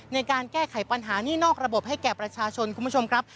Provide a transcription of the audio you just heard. ในการแก้ไขปัญหานี่นอกระบบให้แก่ประชาชนคุณผู้ชมครับ